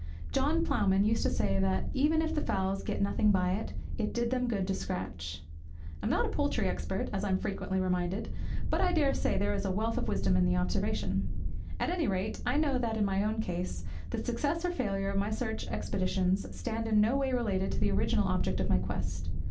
John Ploughman used to say that, even if the fowls got nothing by it, it did them good to scratch. I am not a poultry expert, as I am frequently reminded, but I dare say that there is a wealth of wisdom in the observation. At any rate, I know that, in my own case, the success or failure of my search expeditions stand in no way related to the original object of my quest.